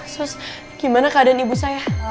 terus gimana keadaan ibu saya